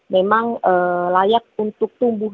memang layak untuk tumbuh